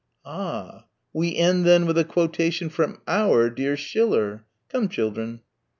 "Ah. We end then with a quotation from our dear Schiller. Come, children."